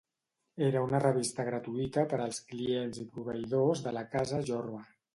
Era una revista gratuïta per als clients i proveïdors de la Casa Jorba.